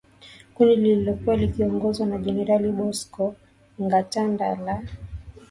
kundi lililokuwa likiongozwa na jenerali Bosco Ntaganda la